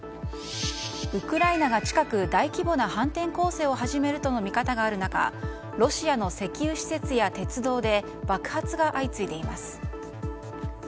ウクライナが近く大規模な反転攻勢を始めるとの見方がある中ロシアの石油施設や鉄道で爆発が相次いでいます。